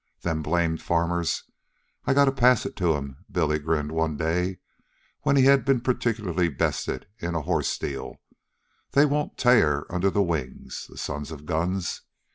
"Them blamed farmers I gotta pass it to 'em," Billy grinned one day, when he had been particularly bested in a horse deal. "They won't tear under the wings, the sons of guns.